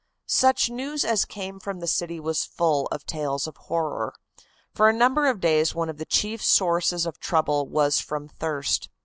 Such news as came from the city was full of tales of horror. For a number of days one of the chief sources of trouble was from thirst.